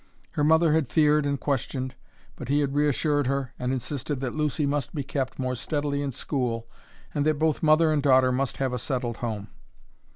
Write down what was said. Her mother had feared and questioned, but he had reassured her and insisted that Lucy must be kept more steadily in school and that both mother and daughter must have a settled home.